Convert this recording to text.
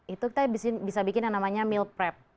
itu kita bisa bikin yang namanya meal prep